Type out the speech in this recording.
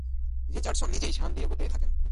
Richardson নিজেই সান দিয়াগোতে থাকেন।